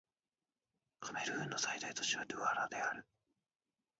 カメルーンの最大都市はドゥアラである